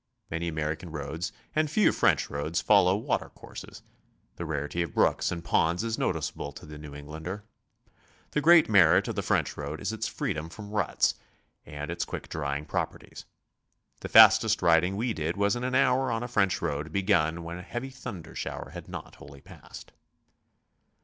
Many American roads and few French roads follow water courses; the rarity of brooks and ponds is noticeable to the New Englander. The great merit of the French road is its freedom from ruts, and its quick drying properties. The fastest riding we did was in an hour on a French road begun when a heavy thunder shower had not wholly passed.